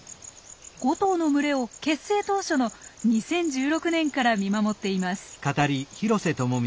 ５頭の群れを結成当初の２０１６年から見守っています。